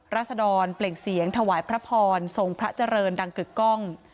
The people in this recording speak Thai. รัศดรเปล่งเสียงถวายพระพรทรงพระเจริญดังกึกกล้อง